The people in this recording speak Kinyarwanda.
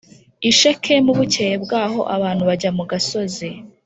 i Shekemu Bukeye bwaho abantu bajya mu gasozi